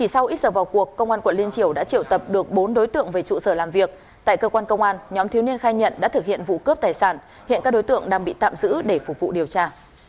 sau ít giờ vào cuộc công an quận liên triều đã triệu tập được bốn đối tượng về trụ sở làm việc tại cơ quan công an nhóm thiếu niên khai nhận đã thực hiện vụ cướp tài sản hiện các đối tượng đang bị tạm giữ để phục vụ điều tra